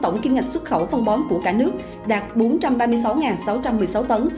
tổng kiếm ngạch xuất khẩu phân bón của cả nước đạt bốn trăm ba mươi sáu sáu trăm một mươi sáu tấn